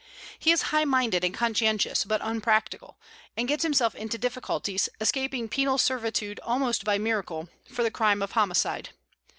He is high minded and conscientious, but unpractical, and gets himself into difficulties, escaping penal servitude almost by miracle, for the crime of homicide.